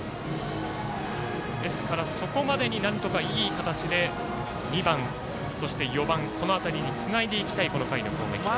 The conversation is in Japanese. そこまでになんとかいい形で２番、そして４番この辺りにつないでいきたいこの回の攻撃です。